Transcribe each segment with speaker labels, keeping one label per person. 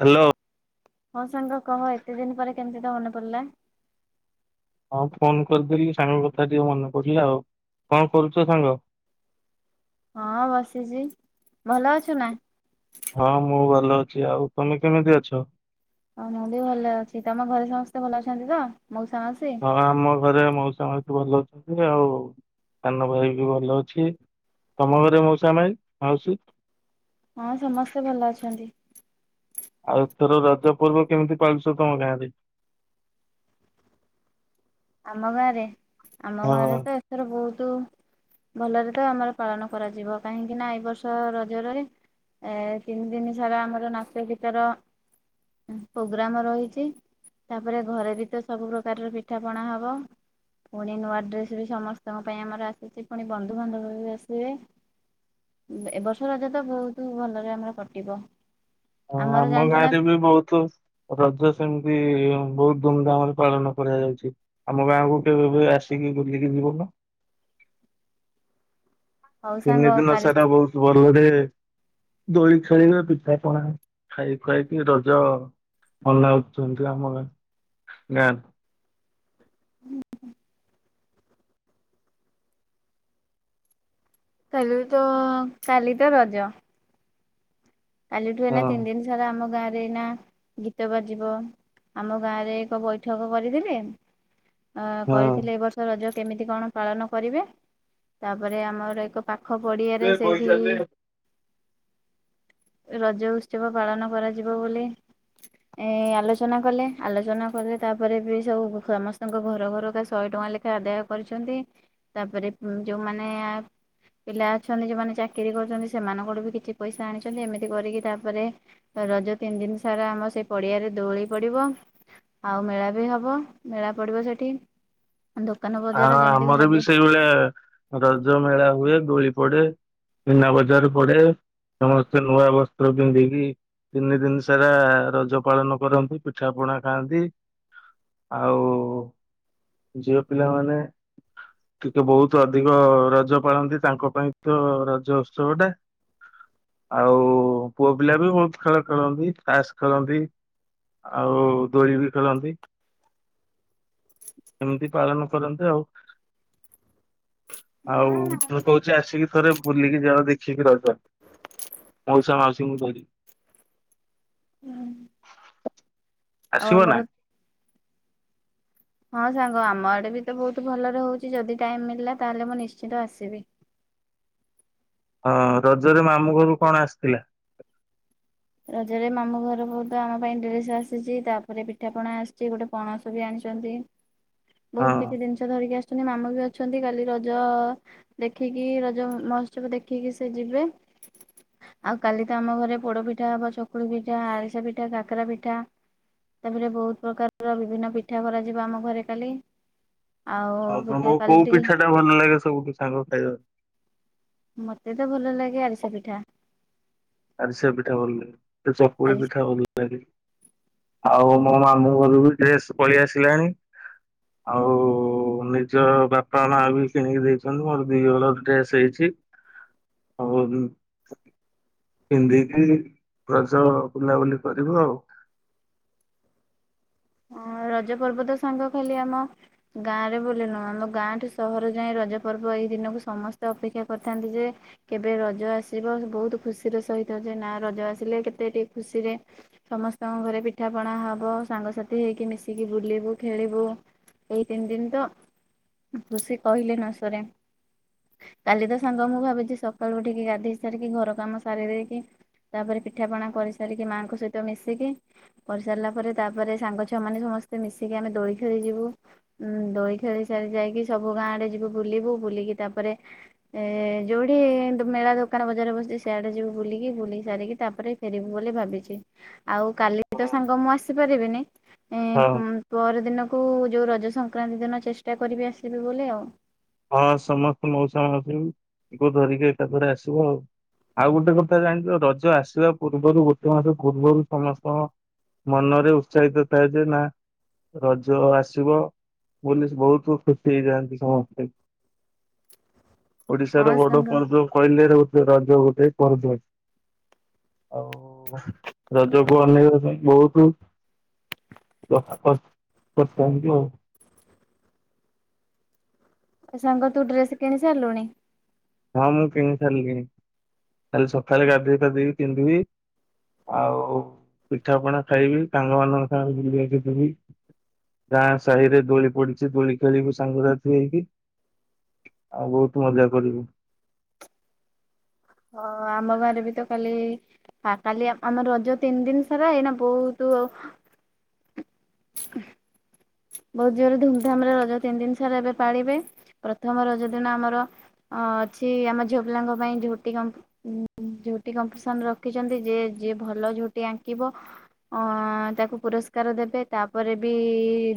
Speaker 1: Hello.
Speaker 2: ହଁ ସାଙ୍ଗ କହ! ଏତେ ଦିନ ପରେ କେମିତି ତୋର ମନେ ପଡିଲା।
Speaker 1: ହଁ ଫୋନ କରିଥିଲି, ସାଙ୍ଗ କଥା ଟିକେ ମନେ ପଡିଲା ଆଉ, କଣ କରୁଚ ସାଙ୍ଗ?
Speaker 2: ହଁ ବସିଛି, ଭଲ ଅଛୁ ନା।
Speaker 1: ହଁ ମୁଁ ଭଲ ଅଛି। ଆଉ ତମେ କେମିତି ଅଛ?
Speaker 2: ହ ମୁଁ ବି ଭଲରେ ଅଛି। ତମ ଘରେ ସମସ୍ତେ ଭଲ ଅଛନ୍ତି ତ ମଉସା ମାଉସୀ?
Speaker 1: ହଁ ଆମ ଘରେ ମଉସା ମାଉସୀ ଭଲ ଅଛନ୍ତି, ଆଉ ସାନ ଭାଇ ବି ଭଲ ଅଛି। ତମ ଘରେ ମଉସା, ମାଇଁ, ମାଉସୀ?
Speaker 2: ହଁ ସମସ୍ତେ ଭଲ ଅଛନ୍ତି।
Speaker 1: ଆଉ ଏଥର ରଜ ପର୍ବ କେମିତି ପାଳୁଚ ତମ ଗାଁ ରେ?
Speaker 2: ଆମ ଗାଁ ରେ, ଆମ ଗାଁ
Speaker 1: ହଁ
Speaker 2: ରେ ତ ଏଥର ବହୁତୁ ଭଲରେ ତ ଆମର ପାଳନ କରାଯିବ। କାହିଁକି ନା ଏଇ ବର୍ଷ ରଜରେ ଏ ତିନି ଦିନି ସାରା ଆମର ନାଚ ଗୀତର ପ୍ରୋଗ୍ରାମ ରହିଛି। ତାପରେ ଘରେ ବି ତ ସବୁ ପ୍ରକାରର ପିଠା ପଣା ହବ। ପୁଣି ନୂଆ ଡ୍ରେସ ବି ସମସ୍ତଙ୍କ ପାଇଁ ଆମର ଆସିଛି। ପୁଣି ବନ୍ଧୁବାନ୍ଧବ ବି ଆସିବେ। ଏ ବର୍ଷ ରଜ ତ ବହୁତ ଭଲରେ ଆମର କଟିବ।
Speaker 1: ହଁ
Speaker 2: ଆମର
Speaker 1: ଆମ
Speaker 2: ଜାଣିଛୁ ନା
Speaker 1: ଗାଁରେ ବି ବହୁତୁ ରଜ ସେମିତି ବହୁତ ଧୁମ୍ ଧାମ୍ ରେ ପାଳନ କରାଯାଉଛି। ଆମ ଗାଁକୁ କେବେବି ଆସିକି ବୁଲିକି ଯିବନ?
Speaker 2: ହଉ
Speaker 1: ତିନି
Speaker 2: ସାଙ୍ଗ
Speaker 1: ଦିନ
Speaker 2: କାଲି
Speaker 1: ସାରା ବହୁତ ଭଲରେ ଦୋଳି ଖେଳିଣ, ପିଠାପଣା ଖାଇ ଖୁଆଇକି ରଜ [unintelligible]
Speaker 2: ହୁଁ କାଲି ତ ରଜ। କାଲିଠୁ
Speaker 1: ହଁ
Speaker 2: ଏଇନା ତିନି ଦିନ ସାରା ଆମ ଗାଁରେ ଏଇନା ଗୀତ ବାଜିବ ଆମ ଗାଁରେ ଏକ ବୈଠକ କରିଥିଲେ। ଅ
Speaker 1: ହଁ।
Speaker 2: କରିଥିଲେ ଏ ବର୍ଷ ରଜ କେମିତି କଣ ପାଳନ କରିବେ, ତାପରେ ଆମର ଏକ ପାଖ ପଡିଆରେ ସେଇଠି
Speaker 1: ହଁ
Speaker 2: ରଜ ଉତ୍ସବ ପାଳନ କରାଯିବ ବୋଲି ଏ ଆଲୋଚନା କଲେ, ଆଲୋଚନା କଲେ ତାପରେ ବି ସବୁ ସମସ୍ତଙ୍କ ଘର ଘରକା ଶହେ ଟଙ୍କା ଲେଖା ଆଦାୟ କରିଚନ୍ତି। ତାପରେ ଯୋଉମାନେ ପିଲା ଅଛନ୍ତି ଯୋଉମାନେ ଚାକିରି କରୁଚନ୍ତି। ସେମାନଙ୍କଠୁ ବି କିଛି ପଇସା ଆଣିଛନ୍ତି। ଏମିତି କରିକି ତାପରେ ରଜ ତିନି ଦିନି ସାରା ଆମ ସେ ପଡିଆରେ ଦୋଳି ପଡିବ। ଆଉ ମେଳା ବି ହବ, ମେଳା ପଡ଼ିବ ସେଠି। ଦୋକାନ
Speaker 1: ଆ
Speaker 2: ବଜାର ଯେମିତି
Speaker 1: ଆମର ବି
Speaker 2: ଖାଦ୍ୟ
Speaker 1: ସେଇଭଳିଆ ରଜ ମେଳା ହୁଏ। ଦୋଳି ପଡେ। ମିନା ବଜାର ପଡେ, ସମସ୍ତେ ନୂଆ ବସ୍ତ୍ର ପିନ୍ଧିକି ତିନି ଦିନି ସାରା ରଜ ପାଳନ କରନ୍ତି, ପିଠା ପଣା ଖାଆନ୍ତି। ଆଉ ଝିଅ ପିଲାମାନେ ଟିକିଏ ବହୁତ ଅଧିକ ରଜ ପାଳନ୍ତି, ତାଙ୍କ ପାଇଁ ତ ରଜ ଉତ୍ସବ ଟା। ଆଉ, ପୁଅ ପିଲା ବି ବହୁତ ଖେଳ ଖେଳନ୍ତି ତାସ୍ ଖେଳନ୍ତି। ଆଉ ଦୋଳି ବି ଖେଳନ୍ତି। ଏମିତି ପାଳନ କରନ୍ତି ଆଉ, ଆଉ ଦୁ କହୁ ନିଜେଆସିକି ଥରେ ବୁଲିକି ଯାଅ ଦେଖିକି ରଜ ମଉସା ମାଉସୀଙ୍କୁ ଧରିି
Speaker 2: ଆଉ
Speaker 1: ଆସିବ ନା
Speaker 2: ଆମର ହଁ ସାଙ୍ଗ ଆମ ଆଡେ ବି ତ ବହୁତ ଭଲରେ ହଉଛି, ଯଦି ଟାଇମ ମିଳିଲା ତାହେଲେ ମୁଁ ନିଶ୍ଚିତ ଆସିବି।
Speaker 1: ହଁ ରଜରେ ମାମୁଁ ଘରୁ କଣ ଆସିଥିଲା?
Speaker 2: ରଜରେ, ମାମୁ ଘର ବହୁ ତ ଆମ ପାଇଁ ଡ୍ରେସ ଆସିଛି, ତାପରେ ପିଠାପଣା ଆସିଛି, ଗୋଟେ ପଣସ ବି ଆଣିଚନ୍ତି।
Speaker 1: ହଁ
Speaker 2: ବହୁତ କିଛି ଜିନିଷ ଧରିକି ଆ ଅଛନ୍ତି, ମାମୁଁ ବି ଅଛନ୍ତି କାଲି ରଜ ଦେଖିକି, ରଜ ମହୋତ୍ସବ ଦେଖିକି ସେ ଯିବେ। ଆଉ କାଲି ତ ଆମ ଘରେ ପୋଡ ପିଠା ହବ ଚକୁଳି ପିଠା, ଆରିସାପିଠା, କାକରା ପିଠା ତାପରେ ବହୁତ ପ୍ରକାରର ବିଭିନ୍ନ ପିଠା କରାଯିବ ଆମ ଘରେ କାଲି ଆଉ
Speaker 1: ତମକୁ
Speaker 2: [inaudible] କାଲି
Speaker 1: କୋଉ
Speaker 2: ଟିକେ
Speaker 1: ପିଠା ଟା ଭଲ ଲାଗେ ସବୁଠି ସାଗ ଖାଇବାକୁ
Speaker 2: ମତେ ତ ଭଲ ଲାଗେ, ଆରିସା ପିଠା
Speaker 1: ଆରିସା ପିଠା ଭଲଲାଗେ,
Speaker 2: ଆରିସା
Speaker 1: ଚକୁଳି ପିଠା ଭଲ ବେବି, ଆଉ ମୋ ମାମୁଁ ଘରୁ ବି ଡ୍ରେସ ପଳେଇ ଆସିଲାଣି ଆଉ ନିଜ ବାପା ମା ବି କିଣିକି ଦେଇଚନ୍ତି ମୋର ଦି ହଳ ଡ୍ରେସ ହେଇଛି। ହଉ, ଦୁନ ପିନ୍ଧିକି ରଜ ବୁଲାବୁଲି କରିବ ଆଉ
Speaker 2: ହ ରଜ ପର୍ବ ତ ସାଙ୍ଗ ଖାଲି ଆମ ଗାଁରେ ବୋଲି ନୁହ, ଆମ ଗାଁଠୁ ସହର ଯାଏ ରଜ ପର୍ବ ଏଇ ଦିନକୁ ସମସ୍ତେ ଅପେକ୍ଷା କରିଥାନ୍ତି ଯେ, କେବେ ରଜ ଆସିବ ବହୁତ ଖୁସିର ସହିତ ଯେ ନା ରଜ ଆସିଲେ କେତେ ଟିକେ ଖୁସିରେ ସମସ୍ତଙ୍କ ଘରେ ପିଠା ପଣା ହବ ସାଙ୍ଗସାଥୀ ଏ ହେଇକି ମିଶିକି ବୁଲିବୁ ଖେଳିବୁ ଏଇ ତିନି ଦିନ ତ ଖୁସି କହିଲେ ନ ସରେ କାଲି ତ ସାଙ୍ଗ ମୁଁ ଭାବିଛି ସକାଳୁ ଉଠିକି, ଗାଧେଇ ସାରିକି ଘର କାମ ସାରି ଦେଇ କି ତାପରେ ପିଠାପଣା କରିସାରିକି ମାଙ୍କ ସହିତ ମିଶିକି କରିସାରିଲା ପରେ ତାପରେ ସାଙ୍ଗ ଛୁଆ ମାନେ ସମସ୍ତେ ମିଶିକି ଆମେ ଦୋଳି ଖେଳି ଯିବୁ। ଉୁଁ, ଦୋଲି ଖେଳି ସାରି ଯାଇକି ସବୁ ଗାଁ ଆଡେ ଯିବୁ ବୁଲିବୁ ବୁଲିକି ତାପରେ ଏ ଯୋଉଠି ମେଳା ଦୋକାନ ବଜାର ବସିଛି ସେଆଡେ ଯିବୁ ବୁଲିକି ବୁଲିକି ସାରିକି ତାପରେ ଫେରିବୁ ବୋଲି ଭାବିଛି, ଆଉ କାଲି ତ
Speaker 1: ଆଉ
Speaker 2: ସାଙ୍ଗ ମୁଁ ଆସିପାରିବିନି। ଏ
Speaker 1: ହଁ।
Speaker 2: ପର ଦିନକୁ ଯଉ ରଜ ସଂକ୍ରାନ୍ତି ଦିନ ଚେଷ୍ଟା କରିବି ଆସିବି ବୋଲି ଆଉ
Speaker 1: ହଁ ସମସ୍ତେ ମଉସା ମାଉସୀଙ୍କୁ ଧରିକି ଏକାଥରେ ଆସିବ ଆଉ ଆଉ ଗୋଟେ କଥା ଜାଣିଛ ରଜ ଆସିବା ପୂର୍ବରୁ ଗୋଟେ ମାସ ପୂର୍ବରୁ ସମସ୍ତଙ୍କ ମନରେ ଉତ୍ସାହିତ ଥାଏ ଯେ, ନା ରଜ ଆସିବ ବୋଲି ବହୁତ ଖୁସି ହେଇଯାଆନ୍ତି ସମସ୍ତେ ଓଡିଶାର
Speaker 2: ହଁ
Speaker 1: ବଡ
Speaker 2: ସାଙ୍ଗ।
Speaker 1: ପର୍ବ କହିଲେ, ର ରଜ ଗୋଟିଏ ପର୍ବ। ଆଉ ରଜକୁ ଅନେଇବା ପାଇଁ ବହୁତ ସ୍ ଥାକସ [inaudible]
Speaker 2: ସାଙ୍ଗ ତୁ ଡ୍ରେସ କିଣି ସାରିଲୁଣି।
Speaker 1: ହଁ ମୁଁ କିଣି ସାରିଲିଣି। କାଲି ସକାଳେ ଗାଧୋଇ ପାଧେଇ ପିନ୍ଧିବି। ଆଉ ପିଠା ପଣା ଖାଇବି। ସାଙ୍ଗ ମାନଙ୍କ ସାଙ୍ଗେ ବୁଲିବାକୁ ଯିବି। ଗାଁ ସାହି ରେ ଦୋଳି ପଡିଛି ଦୋଳି ଖେଳିବୁ ସାଙ୍ଗ ସାଥି ହେଇକି। ଆଉ ବହୁତ ମଜା କରିବୁ।
Speaker 2: ହଁ ଆମ ଗାଁରେ ବି ତ କାଲି କାଲି ଆମର ରଜ ତିନି ଦିନ ସାରା ଏଇନା ବହୁତ ବହୁତ ଜୋରରେ ଧୁମଧାମରେ ରଜ ତିନି ଦିନ ସାରା ଏବେ ପାଳିବେ। ପ୍ରଥମ ରଜ ଦିନ ଆମର ଅଁ ଅଛି ଆମ ଝିଅ ପିଲାଙ୍କ ପାଇଁ ଝୋଟି କର୍ମ୍ପଡି ଉ ଝୁଟି କମ୍ପିଡିସନ ରଖିଛନ୍ତି। ଯିଏ, ଯିଏ ଭଲ ଝୁଟି ଆଙ୍କିବ ଅ ତାକୁ ପୁରସ୍କାର ଦେବେ ତାପରେ ବି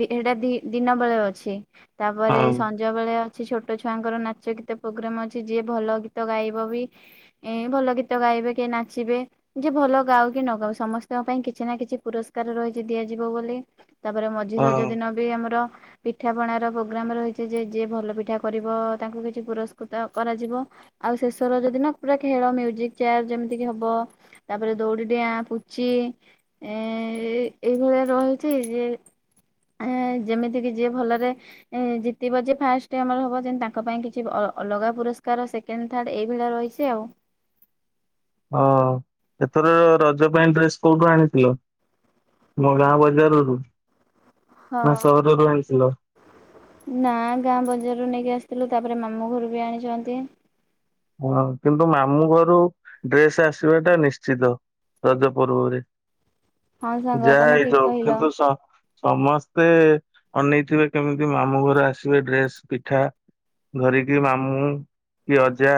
Speaker 2: ସେଇଟା ଦିନ ବେଳେ ଅଛି। ତାପରେ
Speaker 1: ହଉ
Speaker 2: ସନ୍ ସଞ୍ଜବେଳେ ଅଛି ଛୋଟ ଛୁଆଙ୍କର ନାଚ ଗୀତ ପ୍ରୋଗ୍ରାମ ଅଛି। ଯିଏ ଭଲ ଗୀତ ଗାଇବ ବି ଏ ଭଲ ଗୀତ ଗାଇବେ କି ନାଚିବେ ଯେ ଭଲ ଗାଉ କି ନ ଗାଉ ସମସ୍ତଙ୍କ ପାଇଁ କିଛି ନା କିଛି ପୁରସ୍କାର ରହିଛି ଦିଆଯିବ ବୋଲି। ତାପରେ ମଝି ରଜ
Speaker 1: ହଁ।
Speaker 2: ଦିନ ବି ଆମର ପିଠା ପଣାର ପ୍ରୋଗ୍ରାମ ରହିଛି। ଯେ ଯିଏ ଭଲ ପିଠା କରିବ ତାଙ୍କୁ କିଛି ପୁରସ୍କୃତ କରାଯିବ। ଆଉ ଶେଷ ରଜ ଯଦି ନା ପୁରା ଖେଳ ମ୍ୟୁଜିକ ଚେୟାର ଯେମିତି ହବ ତାପରେ ଦୌଡି ଡିଆଁ, ପୁଚି ଏ ଏଇଭଳିଆ ରହିଛି ଯେ ଏ ଯେମିତି କିି ଯିଏ ଭଲରେ ଜିତିବ ଯେ ଫାଷ୍ଟ ଆମର ହବ, ଯେମିତି ତାଙ୍କ ପାଇଁ କିଛି ଅ-ଅଲଗା ପୁରସ୍କାର ସେ ସେକେଣ୍ଡ, ଥାର୍ଡ଼ ଏଇ ଭଳିଆ ରହିଛି ଆଉ।
Speaker 1: ହଁ ଏଥର ରଜ ପାଇଁ ଡ୍ରେସ କୋଉଠୁ ଆଣିଥିଲ? ମୋ ଗାଁ ବଜାରରୁ ନା
Speaker 2: ହଁ।
Speaker 1: ସହରରୁ ଆଣିଥିଲ?
Speaker 2: ନା ଗାଁ ବଜାରରୁ ନେଇକି ଆସିଥିଲୁ ତାପରେ ମାମୁ ଘରୁ ବି ଆଣିଛନ୍ତି।
Speaker 1: ହଁ କିନ୍ତୁ ମାମୁଁ ଘରୁ ଡ୍ରେସ ଆସିବା ଟା ନିଶ୍ଚିତ ରଜ ପୂର୍ବରେ।
Speaker 2: ହଁ ସାଙ୍ଗ
Speaker 1: ଯାହା
Speaker 2: ତମେ ଠିକ
Speaker 1: ହେଇପାଉ
Speaker 2: କହିଲ।
Speaker 1: କିନ୍ତୁ ସ ସମସ୍ତେ ଅନେଇଥିବେ କେମିତି ମାମୁଁ ଘର ଆସିବେ ଡ୍ରେସ, ପିଠା। ଧରିକି ମାମୁଁ ମୁଁ କିଏ ଅଛ ଯା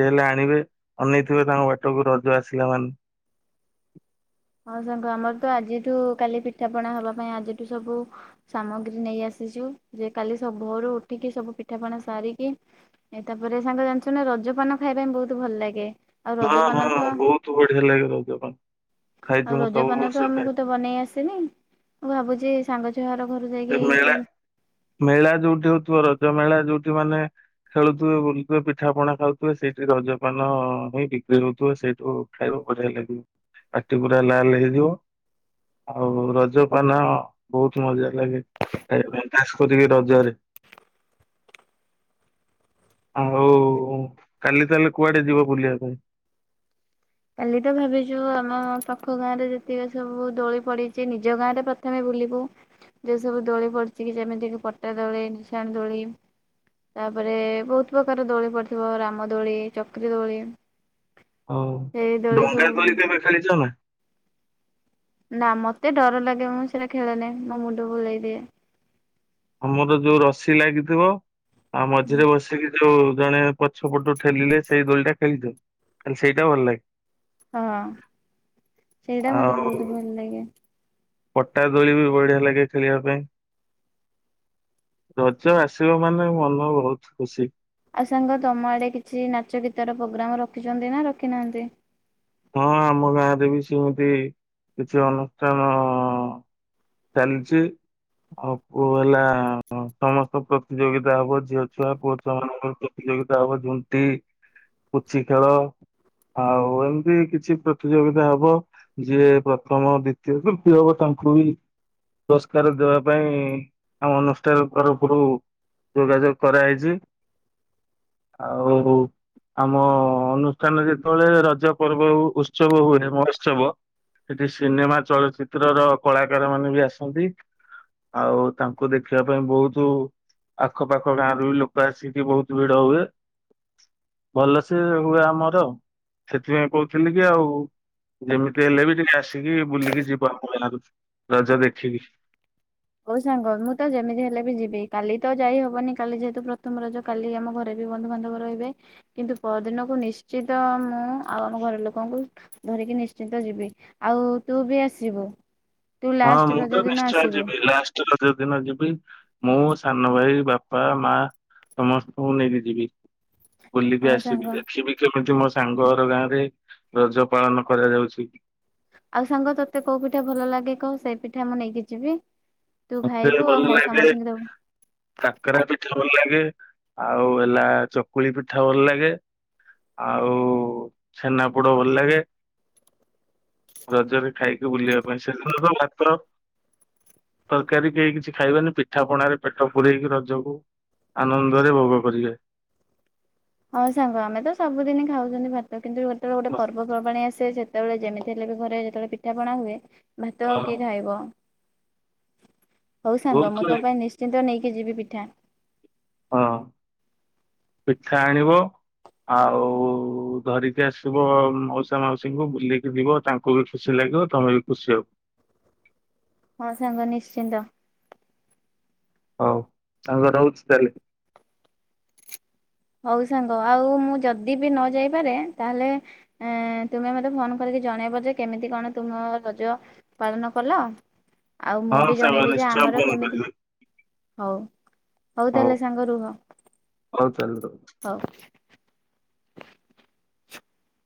Speaker 1: ଯିଏ ହେଲେ ଆଣିବେ ଅନେଇଥିବେ ତାଙ୍କ ବାଟକୁ ରଜ ଆସିଲା ମାନେ।
Speaker 2: ହଁ ସାଙ୍ଗ ଆମର ତ ଆଜିଠୁ କାଲି ପିଠାପଣା ହବା ପାଇଁ ଆଜିଠୁ ସବୁ ସାମଗ୍ରୀ ନେଇ ଆସିଛୁ। ଯେ, କାଲି ସବୁ ଭୋରୁ ଉଠିକି ସବୁ ପିଠାପଣା ସାରିକି ଏ ତାପରେ ସାଙ୍ଗ ଜାଣିଛୁ ନା ରଜପାନ ଖାଇବା ପାଇଁ ବହୁତ ଭଲ ଲାଗେ। ଆଉ
Speaker 1: ହଁ
Speaker 2: ରଜପାନ
Speaker 1: ହଁ
Speaker 2: ତ
Speaker 1: ବହୁତ ବଢିଆ ଲାଗେ ରଜ ପାନ। ଖାଇଛି
Speaker 2: ଆଉ
Speaker 1: ମୁଁ ସବୁ
Speaker 2: ରଜପାନ
Speaker 1: ବର୍ଷ
Speaker 2: ତ
Speaker 1: ଖାଏ।
Speaker 2: ଆମକୁ ତ ବନେଇ ଆସେନି ମୁଁ ଭାବୁଛି ସାଙ୍ଗ ଛୁଆର ଘରୁ
Speaker 1: ସେ
Speaker 2: ଯାଇକି
Speaker 1: ମେଳା
Speaker 2: କିଣି
Speaker 1: ମେଳା ଯୋଉଠି ହଉଥିବ, ରଜ ମେଳା ଯୋଉଠି ମାନେ ଖେଳୁଥିବେ, ବୁଲୁଥିବେ, ପିଠା ପଣା ଖାଉଥିବେ, ସେଇଠି ରଜପାନ ହିଁ ବିକ୍ରି ହଉଥିବେ ସେଇଠୁ ଖାଇବ ବଢ଼ିଆ ଲାଗିବ ପାଟି ପୁରା ଲାଲ ହେଇଯିବ ଆଉ ରଜ ପାନ ବହୁତ ମଜା ଲାଗେ ଖାଇବା ପାଇଁ, ଖାସ୍ କରିକି ରଜରେ ଆଉ କାଲି ତାହେଲେ କୁଆଡେ ଯିବ ବୁଲିବା ପାଇଁ?
Speaker 2: କାଲି ତ ଭାବିଛୁ ଆମ ପାଖ ଗାଁ ରେ ଯେତିକି ସବୁ ଦୋଳି ପଡିଛି ନିଜ ଗାଁ ରେ ପ୍ରଥମେ ବୁଲିବୁ। ଯେ ସବୁ ଦୋଳି ପଡିଛି କି ଯେମିତି କି ପଟା ଦୋଳି, ନିସାଣ ଦୋଳି, ତାପରେ ବହୁତ ପ୍ରକାର ଦୋଳି ପଡ଼ିଥିବ। ରାମଦୋଳି, ଚକ୍ରି ଦୋଳି,
Speaker 1: ହଉ
Speaker 2: ସେଇ ଦୋଳି
Speaker 1: ଡଙ୍ଗା
Speaker 2: ସବୁ
Speaker 1: କରି କେବେ ଖେଳିଛ ନା?
Speaker 2: ନା ମତେ ଡର ଲାଗେ ମୁଁ ସେଇଟା ଖେଳନାହିଁ ମୋ ମୁଣ୍ଡ ବୁଲେଇ ଦିଏ।
Speaker 1: ଆମର ଯୋଉ ରସି ଲାଗିଥିବ ଆଉ ମଝିରେ ବସିକି ଯୋଉଁ ଜଣେ ପଛ ପଟୁ ଠେଲିଲେ ସେଇ ଦୋଳିଟା ଖେଳିଚୁ? ସେଇଟା ଭଲ ଲାଗେ।
Speaker 2: ହଁ ସେଇଟା ମତେ
Speaker 1: ଆଉ
Speaker 2: ବହୁତ୍ ଭଲ ଲାଗେ।
Speaker 1: ପଟା ଦୋଳି ବି ବଢିଆ ଲାଗେ ଖେଳିବା ପାଇଁ। ରଜ ଆସିବ ମାନେ ମନ ବହୁତ୍ ଖୁସି।
Speaker 2: ଆଉ ସାଙ୍ଗ ତମ ଆଡ଼େ କିଛି ନାଚ ଗୀତର ପ୍ରୋଗ୍ରାମ ରଖିଚନ୍ତି ନା ରଖିନାହାନ୍ତି?
Speaker 1: ହଁ ଆମ ଗାଁରେ ବି ସେମିତି କିଛି ଅନୁଷ୍ଠାନ ଚାଲିଚି। ଆଉ କଉ ହେଲା ସମସ୍ତ ପ୍ରତିଯୋଗିତା ହବ ଝିଅ ଛୁଆ ପୁଅ ଛୁଆ ମାନଙ୍କ ପ୍ରତିଯୋଗିତା ହବ ଝୁଣ୍ଟି, ପୁଚି ଖେଳ ଆଉ ଏମିତି କିଛି ପ୍ରତିଯୋଗିତା ହବ। ଯିଏ ପ୍ରଥମ, ଦ୍ଵିତୀୟ, ତୃତୀୟ ହବ ତାଙ୍କୁ ବି ପୁରସ୍କାର ଦେବା ପାଇଁ ଆମ ଅନୁଷ୍ଠାନ ତରଫରୁ ଯୋଗାଯୋଗ କରାହେଇଚି ଆଉ ଆମ ଅନୁଷ୍ଠାନ ଯେତେବଳେ ରଜ ପର୍ବ ଉ-ଉତ୍ସବ ହୁଏ ମହୋତ୍ସବ ସେଠି ସିନେମା ଚଳଚିତ୍ର ର କଳାକାର ମାନେ ବି ଆସନ୍ତି। ଆଉ ତାଙ୍କୁ ଦେଖିବା ପାଇଁ ବହୁତୁ ଆଖପାଖ ଗାଁରୁ ବି ଲୋକ ଆସିକି ବହୁତୁ ଭିଡ ହୁଏ। ଭଲ ସେ ହୁଏ ଆମର ସେଥିପାଇଁ କହୁଥିଲି କି ଆଉ ଯେମିତି ହେଲେ ବି ଟିକେ ଆସିକି ବୁଲିକି ଯିବ ଆମ ଗାଁରୁ ରଜ ଦେଖିକି।
Speaker 2: ହଉ ସାଙ୍ଗ ମୁଁ ତ ଯେମିତି ହେଲେ ବି ଯିବି କାଲି ତ ଯାଇ ହବନି କାଲି ଯେହେତୁ ପ୍ରଥମ ରଜ। କାଲି ଆମ ଘରେ ବି ବନ୍ଧୁବାନ୍ଧବ ରହିବେ। କିନ୍ତୁ ପରଦିନକୁ ନିଶ୍ଚିତ ମୁଁ ଆଉ ଆମ ଘର ଲୋକଙ୍କୁ ଧରିକି ନିଶ୍ଚିନ୍ତ ଯିବି ଆଉ ତୁ ବି ଆସିବୁ। ତୁ
Speaker 1: ହଁ
Speaker 2: ଲାଷ୍ଟ
Speaker 1: ମୁଁ
Speaker 2: ରଜ
Speaker 1: ତ
Speaker 2: ଦିନ
Speaker 1: ନିଶ୍ଚୟ
Speaker 2: ଆସିବୁ
Speaker 1: ଯିବି ଲାଷ୍ଟ୍ ଷ୍ଟ ରଜଦିିନ ଯିବି ମୁଁ, ସାନ ଭାଇ, ବାପା, ମା ସମସ୍ତଙ୍କୁ ନେଇକି ଯିବି ବୁଲିକି
Speaker 2: ହଁ ସାଙ୍ଗ
Speaker 1: ଆସିବି ଦେଖିବି କେମତି ମୋ ସାଙ୍ଗ ହର ଗାଁ ରେ ରଜ ପାଳନ କରାଯାଉଚି।
Speaker 2: ଆଉ ସାଙ୍ଗ ତତେ କଉ ପିଠା ଭଲ ଲାଗେ କହ ସେଇ ପିଠା ମୁଁ ନେଇକି ଯିବି। ତୁ ଖାଇବୁ ଆଉ ମଉସା ମାଉସୀଙ୍କୁ ଦବୁ।
Speaker 1: କାକେରା ପିଠା ଭଲ ଲାଗେ ଆଉ ହେଲା ଚକୁଳି ପିଠା ଭଲ ଲାଗେ। ଆଉ ଛେନାପୋଡ ଭଲ ଲାଗେ। ରଜରେ ଖାଇକି ବୁଲିବା ପାଇଁ [unintelligible] ତରକାରୀ କେହି କିଛି ଖାଇବେନି ପିଠା ପଣାରେ ପେଟ ପୁରେଇକି ରଜକୁ ଆନନ୍ଦରେ ଭୋଗ କରିବେ।
Speaker 2: ହଁ ସାଙ୍ଗ ଆମେ ତ ସବୁଦିନି ଖାଉଚନ୍ତି ଭାତ କିନ୍ତୁ ଯେତେବେଳେ ଗୋଟେ
Speaker 1: ମସ୍ତ।
Speaker 2: ପର୍ବପର୍ବାଣି ଆସେ ସେ ସେତେବେଳେ ଯେମିତି ହେଲେ ବି ଘରେ ଯେତେବେଳେ ପିଠା ପଣା ହୁଏ ଭାତ ଆଉ କିଏ ଖାଇବ। ହଉ ସାଙ୍ଗ
Speaker 1: ବହୁତ
Speaker 2: ମୁଁ ତ ପାଇଁ ନିଶ୍ଚିନ୍ତ ନେଇକି ଯିବି ପିଠା।
Speaker 1: ହଁ ପିଠା ଆଣିବ ଆଉ ଧରିକି ଆସିବ ମାଉସା ମାଉସୀଙ୍କୁ ବୁଲିକି ଯିବ ତାଙ୍କ୍ ତାଙ୍କୁ ବି ଖୁସି ଲାଗିବ ତମେ ବି ଖୁସି ହବ।
Speaker 2: ହଁ ସାଙ୍ଗ ନିଶ୍ଚିନ୍ତ।
Speaker 1: ହଉ ସାଙ୍ଗ ରହୁଚି ତାହେଲେ।
Speaker 2: ହଉ ସାଙ୍ଗ ଆଉ ମୁଁ ଯଦି ବି ନ ଯାଇପାରେ ତାହେଲେ ଏଁ ତୁମେ ମତେ ଫୋନ୍ କରିକି ଜଣେଇବ ଯେ କେମିତି କଣ ତୁମ ରଜ ପାଳନ କଲ। ଆଉ ମୁଁ
Speaker 1: ହଁ
Speaker 2: ବି
Speaker 1: ସାଙ୍ଗ
Speaker 2: ଜଣେଇବି ଯେ
Speaker 1: ନିଶ୍ଚୟ
Speaker 2: ଆମର
Speaker 1: ଫୋନ
Speaker 2: କେମିତି
Speaker 1: କରିବି
Speaker 2: -ହଉ- ହଉ ତାହେଲେ ସାଙ୍ଗ ରୁହ।
Speaker 1: ହଉ ତାହାହେଲେ [unintelligible]
Speaker 2: ହଉ,